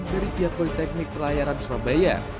dari pihak politeknik pelayaran surabaya